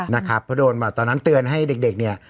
นะครับเพราะโดนมาตอนนั้นเตือนให้เด็กเนี่ย